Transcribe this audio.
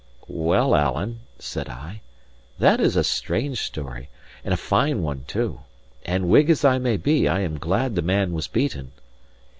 "Well, Alan," said I, "that is a strange story, and a fine one, too. And Whig as I may be, I am glad the man was beaten."